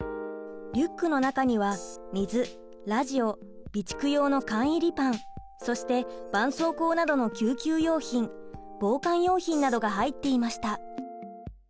リュックの中には水ラジオ備蓄用の缶入りパンそしてばんそうこうなどの救急用品防寒用品などが入っていました。